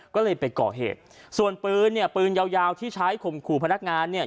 ก็เลยไปก่อเหตุส่วนปืนเนี่ยปืนยาวยาวที่ใช้ข่มขู่พนักงานเนี่ย